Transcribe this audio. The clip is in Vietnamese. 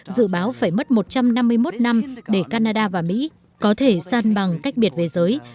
dự báo phải mất một trăm năm mươi một năm để canada và mỹ có thể san bằng cách biệt về giới